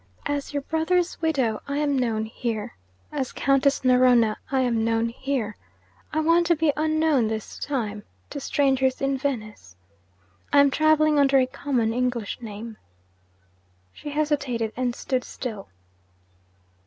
'As your brother's widow, I am known here. As Countess Narona, I am known here. I want to be unknown, this time, to strangers in Venice; I am travelling under a common English name.' She hesitated, and stood still.